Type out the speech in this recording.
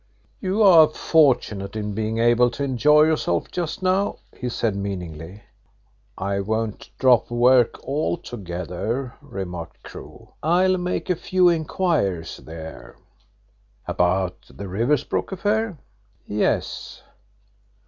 "You are fortunate in being able to enjoy yourself just now," he said meaningly. "I won't drop work altogether," remarked Crewe. "I'll make a few inquiries there." "About the Riversbrook affair?" "Yes."